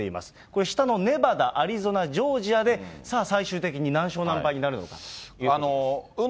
これ、下のネバダ、アリゾナ、ジョージアで、さあ、最終的に何勝何敗になるかということです。